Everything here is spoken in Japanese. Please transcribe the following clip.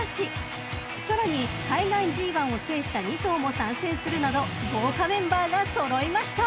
［さらに海外ＧⅠを制した２頭も参戦するなど豪華メンバーが揃いました］